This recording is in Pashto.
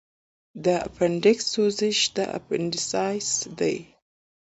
د اپنډکس سوزش اپنډیسایټس دی.